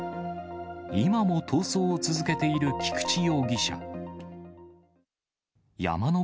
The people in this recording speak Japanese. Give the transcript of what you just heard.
今も逃走を続けている菊池容疑者。